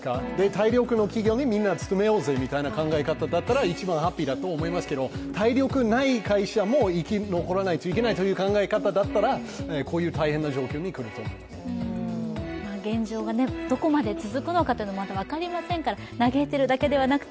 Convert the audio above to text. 体力の企業にみんな勤めようぜという考え方ならみんなハッピーですけど、体力ない会社も生き残らないといけないという考え方だったらこういう大変な状況に取り組まないといけない現状がどこまで続くか分かりませんから嘆いているだけでなく